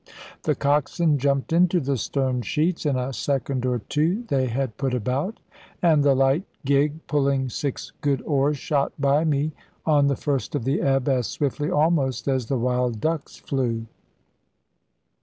The coxswain jumped into the stern sheets; in a second or two they had put about, and the light gig pulling six good oars shot by me, on the first of the ebb, as swiftly almost as the wild ducks flew.